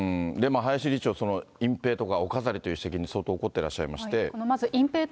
林理事長、隠蔽とかお飾りとか、そういう指摘に相当怒ってらっしゃいまして。